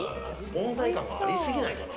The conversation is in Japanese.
存在感がありすぎないかな？